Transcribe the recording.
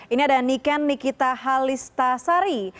ini adalah niken nikita halistasari